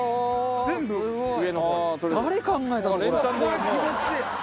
これ気持ちいい！